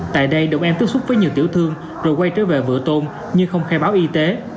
tại đây động em tiếp xúc với nhiều tiểu thương rồi quay trở về vựa tôn nhưng không khai báo y tế